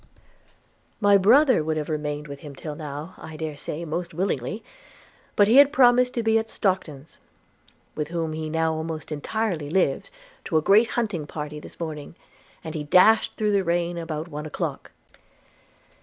– My brother would have remained with him till now, I dare say, most willingly; but he had promised to be at Stockton's, with whom he now almost entirely lives, to a great hunting party this morning; and he dashed through the rain about one o'clock.